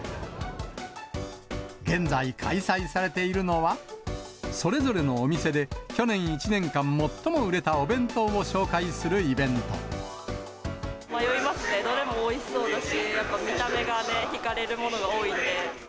現在、開催されているのは、それぞれのお店で去年１年間、最も売れたお弁当を紹介するイベ迷いますね、どれもおいしそうだし、やっぱ見た目が引かれるものが多いんで。